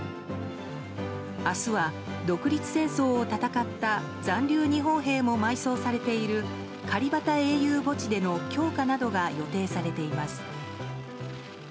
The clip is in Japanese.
明日は独立戦争を戦った残留日本兵も埋葬されているカリバタ英雄墓地での供花などが予定されています。